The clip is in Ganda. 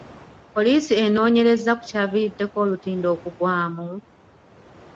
Poliisi enoonyereza ku kyaviiriddeko olutindo okugwamu?